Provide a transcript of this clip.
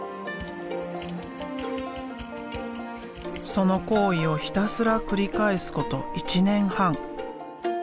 その行為をひたすら繰り返すこと１年半。